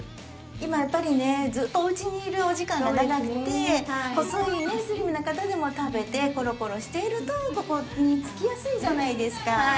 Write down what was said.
今やっぱりねずっとお家にいるお時間が長くて細いスリムな方でも食べてゴロゴロしているとここにつきやすいじゃないですか。